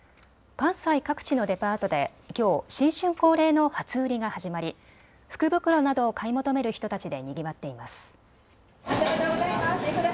関西各地のデパートできょう新春恒例の初売りが始まり福袋などを買い求める人たちでにぎわっています。